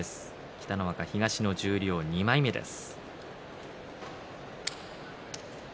北の若、東の十両２枚目です。